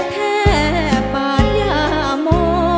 แท่ปาดยามโม